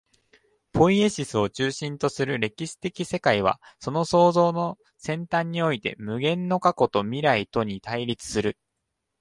ポイエシスを中心とする歴史的世界は、その創造の尖端において、無限の過去と未来とに対立する。